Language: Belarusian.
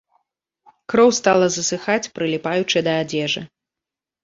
Кроў стала засыхаць, прыліпаючы да адзежы.